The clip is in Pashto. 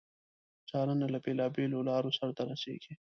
څارنه له بیلو بېلو لارو سرته رسیږي.